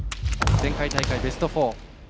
前回大会ベスト４。